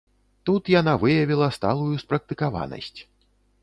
Тут яна выявіла сталую спрактыкаванасць.